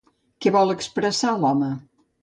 Què vol expressar l'home?